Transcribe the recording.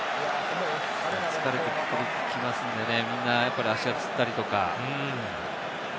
疲れてきますんでね、みんな足がつったりとか。